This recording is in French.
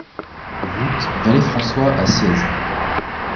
Route Vallée François à Ciez